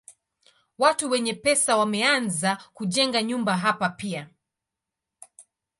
Watu wenye pesa wameanza kujenga nyumba hapa pia.